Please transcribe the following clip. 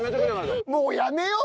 もうやめよう！